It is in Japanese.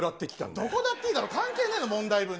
どこだっていいだろ、関係ねえんだよ、問題文に。